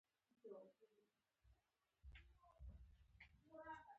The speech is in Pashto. مومن خان او ریډي ګل خان ور رهي شول.